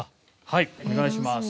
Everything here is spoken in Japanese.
はいお願いします。